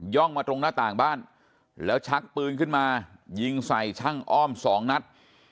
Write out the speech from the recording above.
มาตรงหน้าต่างบ้านแล้วชักปืนขึ้นมายิงใส่ช่างอ้อมสองนัด